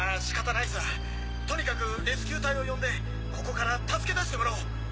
仕方ないさとにかくレスキュー隊を呼んでここから助け出してもらおう！